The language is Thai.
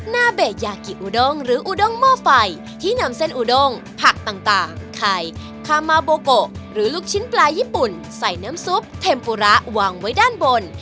นาเบยากิอุดงหรืออุดงหม้อไฟที่นำเส้นอุดงผักต่างไข่คามาโบโกะหรือลูกชิ้นปลาญี่ปุ่นใส่น้ำซุปเทมปุระวางไว้ด้านบน